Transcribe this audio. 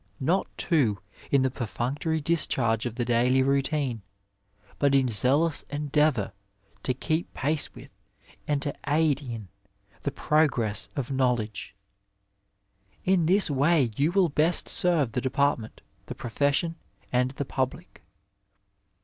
Not, too, in the V perfunctory discharge of the daily routine, but in zealous endeavour to keep pace with, and to aid in, the progress of knowledge. In this way you will best serve the depart ment, the profession, and the public.